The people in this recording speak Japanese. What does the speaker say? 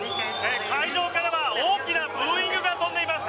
会場からは大きなブーイングが飛んでいます。